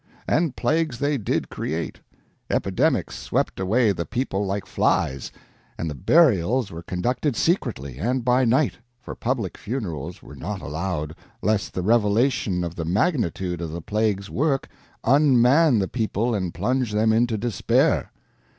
And plagues they did create. Epidemics swept away the people like flies, and the burials were conducted secretly and by night, for public funerals were not allowed, lest the revelation of the magnitude of the plague's work unman the people and plunge them into despair.